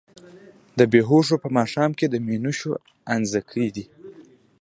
د بــــــې هــــــوښو په ماښام کي د مینوشو انځکی دی